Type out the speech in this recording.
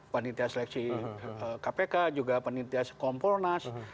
penintas seleksi kpk juga penintas kompornas